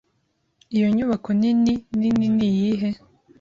Iyo nyubako nini nini niyihe?